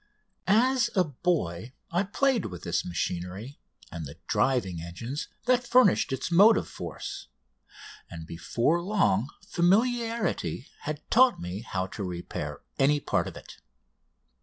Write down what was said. As a boy I played with this machinery and the driving engines that furnished its motive force, and before long familiarity had taught me how to repair any part of it.